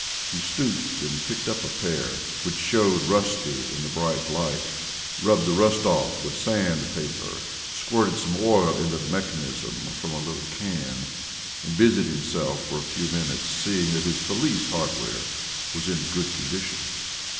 He stooped and picked up a pair which showed rusty in the bright light, rubbed the rust off with sand paper, squirted some oil into the mechanism from a little can, and busied himself for a few minutes seeing that his police hardware was in good condition.